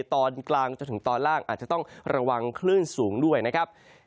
ตอนกลางจนถึงตอนล่างอาจจะต้องระวังคลื่นสูงด้วยนะครับ